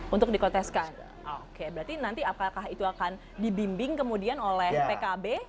untuk dikonteskan oke berarti nanti apakah itu akan dibimbing kemudian oleh pkb